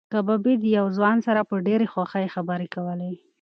کبابي د یو ځوان سره په ډېرې خوښۍ خبرې کولې.